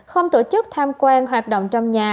không tổ chức tham quan hoạt động trong nhà